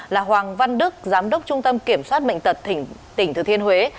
là hoàng văn đức giám đốc trung tâm kiểm soát bệnh tật tỉnh thừa thiên huế